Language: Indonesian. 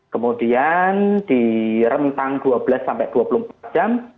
kemudian di rentang dua belas sampai dua puluh empat jam